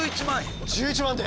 １１万で！